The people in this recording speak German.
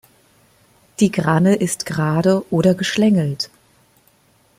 Die Granne ist gerade oder geschlängelt.